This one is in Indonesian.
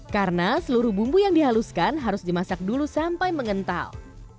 karena seluruh bumbu yang dihaluskan harus dimasak dulu sampai mengental